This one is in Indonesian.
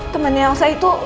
temannya elsa itu